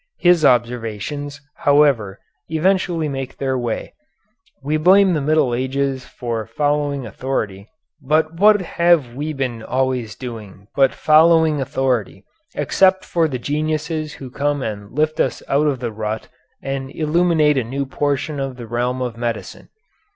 His observations, however, eventually make their way. We blame the Middle Ages for following authority, but what have we been always doing but following authority, except for the geniuses who come and lift us out of the rut and illuminate a new portion of the realm of medicine.